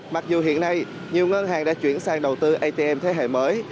mặc dù hiện nay nhiều ngân hàng đã chuyển sang đầu tư atm thế hệ mới